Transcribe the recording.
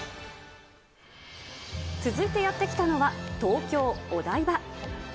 続いてやって来たのは、東京・お台場。